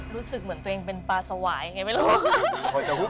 รู้สึกเหมือนตัวเองเป็นปลาสวายไงไม่รู้